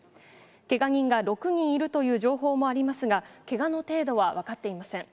けが人が６人いるという情報もありますが、けがの程度は分かっていません。